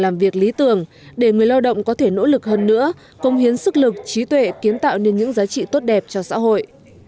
làm việc lý tưởng để người lao động có thể nỗ lực hơn nữa công hiến sức lực trí tuệ kiến tạo nên những giá trị tốt đẹp cho xã hội